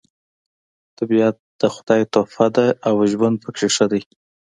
طبیعت د خدای تحفه ده او ژوند پکې ښه دی